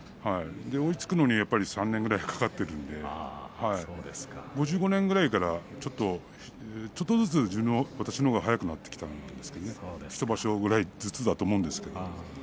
追いつくのに３年ぐらいかかっているんで５５年ぐらいからちょっとずつ私のほうが早くなってきたものですからね１場所ぐらいずつだと思うんですけれど。